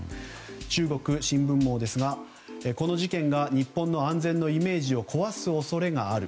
中国の新聞網ですがこの事件が日本の安全のイメージを壊す恐れがある。